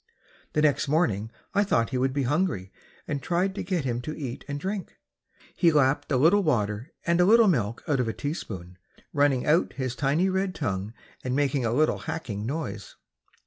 The next morning I thought he would be hungry and tried to get him to eat and drink. He lapped a little water and a little milk out of a teaspoon, running out his tiny red tongue and making a little hacking noise.